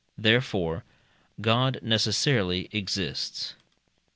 Therefore, God necessarily exists.